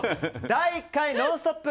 第１回「ノンストップ！」